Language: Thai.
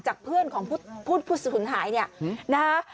จากเพื่อนของพุทธพุทธสุขหายเนี่ยนะคะ